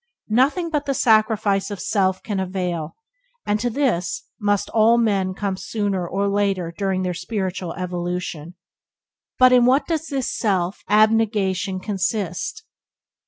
Nothing but the sacrifice of self can avail, and to this must all men come sooner or later during their spiritual evolution. But in what does this self abnegation consist?